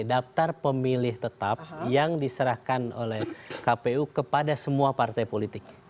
daftar pemilih tetap yang diserahkan oleh kpu kepada semua partai politik